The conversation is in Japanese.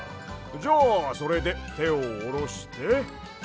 じゃあそれでてをおろして。